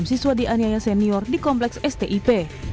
enam siswa dianiaya senior di kompleks stip